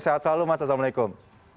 sehat selalu mas assalamualaikum